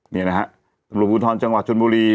นี่นะฮะตำรวจภูทรจังหวัดชนบุรี